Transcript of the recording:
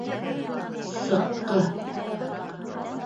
— Сыҡҡы...